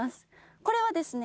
これはですね